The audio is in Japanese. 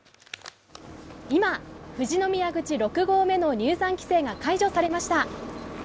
今富士宮口６合目の入山規制が解除されました。